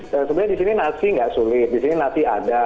sebenarnya di sini nasi nggak sulit di sini nasi ada